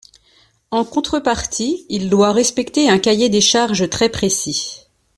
En contrepartie, il doit respecter un cahier des charges très précis.